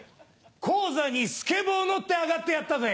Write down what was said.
高座にスケボー乗って上がってやったぜ。